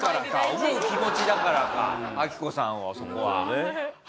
思う気持ちだからかアキコさんをそこは。